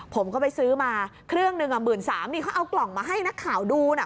ผมก็ไปซื้อมาเครื่องหนึ่งหมื่นสามนี่เขาเอากล่องมาให้นักข่าวดูน่ะ